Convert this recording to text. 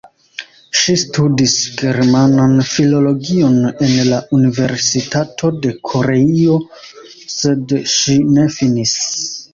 Ŝi studis germanan filologion en la Universitato de Koreio, sed ŝi ne finis.